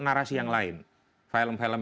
narasi yang lain film film